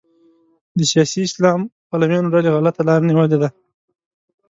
د سیاسي اسلام پلویانو ډلې غلطه لاره نیولې ده.